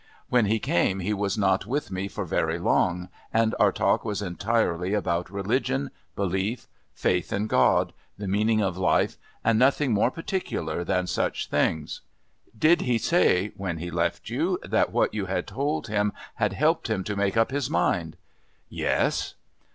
When he came he was not with me for very long and our talk was entirely about religion, belief, faith in God, the meaning of life, nothing more particular than such things." "Did he say, when he left you, that what you had told him had helped him to make up his mind?" "Yes."